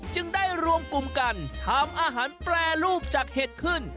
จึงได้รวมกลุ่มกันทำอาหารแปรรูปจากเห็ดขึ้น